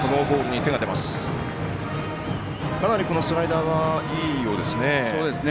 かなりこのスライダーはいいようですね。